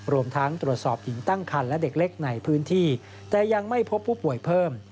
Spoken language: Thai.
รวมทั้งตรวจสอบหญิงตั้งคันและเด็กเล็กในพื้นที่แต่ยังไม่พบผู้ป่วยเพิ่ม